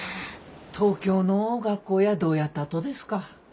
東京の学校やどうやったとですか。